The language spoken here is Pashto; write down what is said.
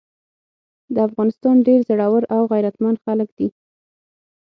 د افغانستان ډير زړور او غيرتمن خلګ دي۔